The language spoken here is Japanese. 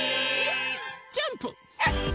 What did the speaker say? ジャンプ！